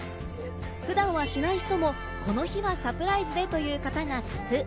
普段はしない人も、この日はサプライズでという方が多数。